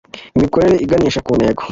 imikorere iganisha ku ntego